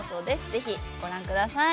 ぜひご覧ください。